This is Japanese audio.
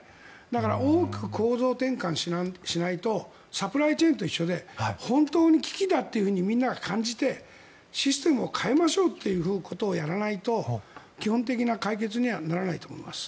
だから大きく構造転換しないとサプライチェーンと一緒で本当に危機だってみんなが感じてシステムを変えましょうということをやらないと基本的な解決にはならないと思います。